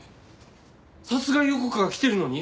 殺害予告が来てるのに？